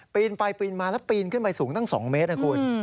ปีนไปปีนมาแล้วปีนขึ้นไปสูงตั้ง๒เมตรนะคุณ